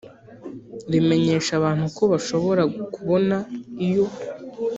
rimenyesha abantu ko bashobora kubona iyo